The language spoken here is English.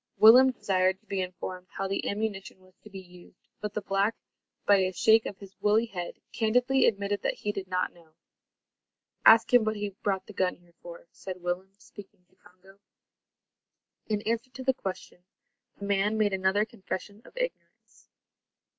Willem desired to be informed how the ammunition was to be used, but the black, by a shake of his woolly head, candidly admitted that he did not know. "Ask him what he brought the gun here for," said Willem, speaking to Congo. In answer to the question, the man made another confession of ignorance.